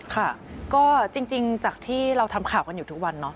ค่ะก็จริงจากที่เราทำข่าวกันอยู่ทุกวันเนาะ